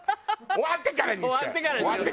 終わってからにしろってね。